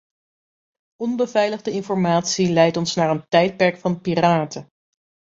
Onbeveiligde informatie leidt ons naar een tijdperk van piraten.